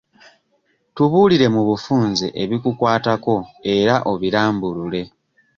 Tubuulire mu bufunze ebikukwatako era obirambulule.